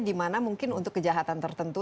di mana mungkin untuk kejahatan tertentu